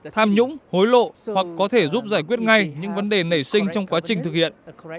tham nhũng hối lộ hoặc có thể giúp giải quyết ngay những vấn đề nảy sinh trong quá trình thực hiện